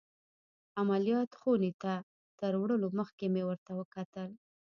عمليات خونې ته تر وړلو مخکې مې ورته وکتل.